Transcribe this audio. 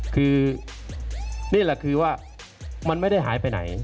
คือนี่แหละคือว่ามันไม่ได้หายไปไหน